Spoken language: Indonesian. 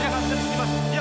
jangan mungkin malu di sini ya